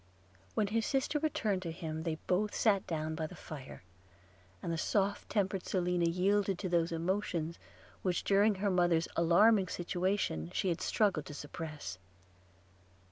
When his sister returned to him, they both sat down by the fire; and the soft tempered Selina yielded to those emotions, which during her mother's alarming situation she had struggled to suppress.